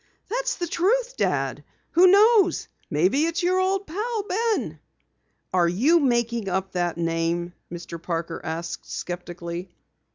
"That's the truth, Dad. Who knows, maybe it's your old pal, Ben!" "Are you making up that name?" Mr. Parker asked skeptically.